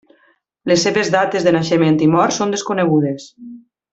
Les seves dates de naixement i mort són desconegudes.